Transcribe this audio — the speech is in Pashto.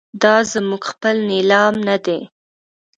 دا زموږ خپل نیلام نه دی.